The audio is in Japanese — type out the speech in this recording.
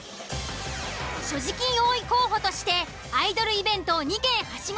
所持金多い候補としてアイドルイベントを２件ハシゴ